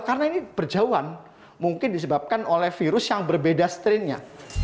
karena ini berjauhan mungkin disebabkan oleh virus yang berbeda strain nya